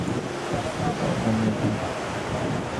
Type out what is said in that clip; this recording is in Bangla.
চাষ করতে চাঁপাইয়ের মহাজনের কাছে থেকে দাদন নিয়েছিলেন পাঁচ হাজার টাকা।